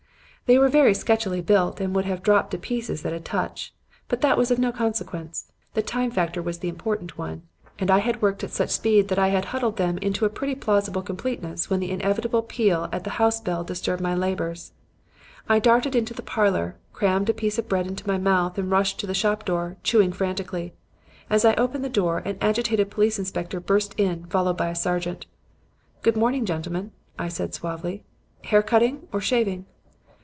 "They were very sketchily built and would have dropped to pieces at a touch. But that was of no consequence. The time factor was the important one; and I had worked at such speed that I had huddled them into a pretty plausible completeness when the inevitable peal at the house bell disturbed my labors. I darted into the parlor, crammed a piece of bread into my mouth and rushed out to the shop door, chewing frantically. As I opened the door, an agitated police inspector burst in, followed by a sergeant. "'Good morning, gentlemen,' I said suavely. 'Hair cutting or shaving?'